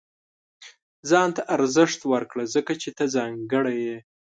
• ځان ته ارزښت ورکړه، ځکه چې ته ځانګړی یې.